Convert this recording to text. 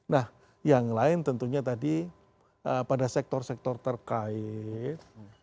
nah yang lain tentunya tadi pada sektor sektor terkait